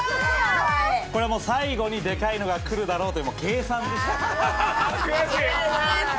これは最後にでかいのがくるだろうという計算でしたから。